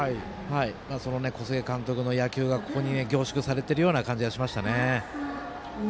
その小菅監督の野球がここに凝縮されているような感じがしましたね。